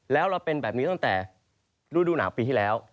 แล้วเราเป็นแบบนี้ตั้งแต่ฤดูหนาวปีที่แล้ว